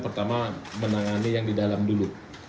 pertama menangani yang di dalam dulu